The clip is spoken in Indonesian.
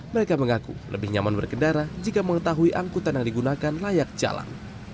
mereka mengaku lebih nyaman berkendara jika mengetahui angkutan yang digunakan layak jalan